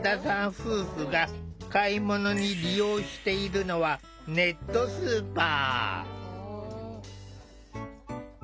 夫婦が買い物に利用しているのはネットスーパー。